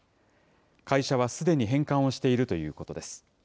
会社はすでに返還をしているということです。